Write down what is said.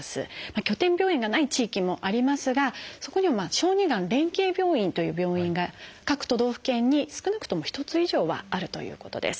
拠点病院がない地域もありますがそこには「小児がん連携病院」という病院が各都道府県に少なくとも１つ以上はあるということです。